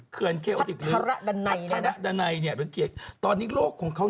เคือนเคออติกรึพัทรดันไนพัทรดันไนตอนนี้โลกของเขา